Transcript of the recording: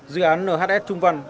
dự án nhs trung văn